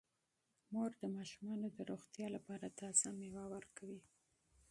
مور د ماشومانو د روغتیا لپاره تازه میوه ورکوي.